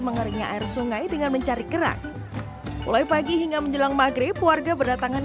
mengeringnya air sungai dengan mencari kerang mulai pagi hingga menjelang maghrib warga berdatangan